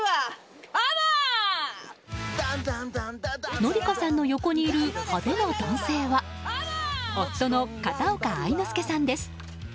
紀香さんの横にいる派手な男性は夫の片岡愛之助さんです。